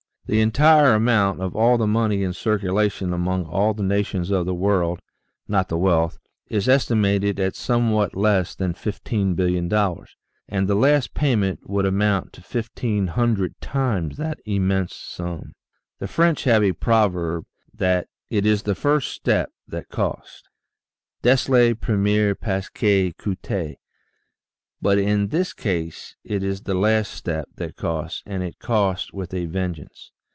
The entire amount of all the money in circulation among all the nations of the world (not the wealth} is estimated at 168 THE SEVEN FOLLIES OF SCIENCE somewhat less than $15,000,000,000, and the last payment would amount to fifteen hundred times that immense sum. The French have a proverb that " it is the first step that costs" (dest le premier pas qui coute] but in this case it is the last step that costs and it costs with a vengeance.